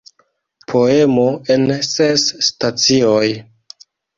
Poemo en ses stacioj.